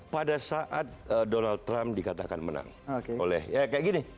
pada saat donald trump dikatakan menang oleh ya kayak gini